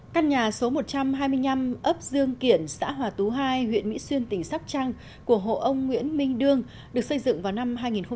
căn nhà số một trăm hai mươi năm ấp dương kiển xã hòa tú hai huyện mỹ xuyên tỉnh sóc trăng của hộ ông nguyễn minh đương được xây dựng vào năm hai nghìn một mươi